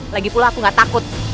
lagipula aku gak takut